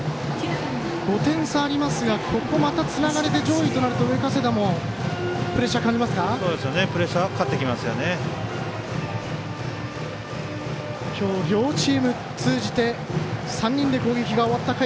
５点差ありますがここをつないで上位となると上加世田もプレッシャー感じますか。